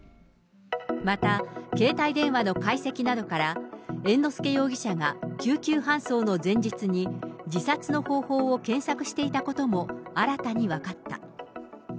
また、携帯電話の解析などから、猿之助容疑者が救急搬送の前日に、自殺の方法を検索していたことも新たに分かった。